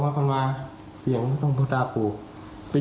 อยากลบลีกก็ปล่อยให้กูลบดี